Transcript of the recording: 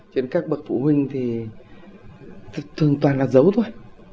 trên các bậc phụ huynh thì thường toàn là giấu thôi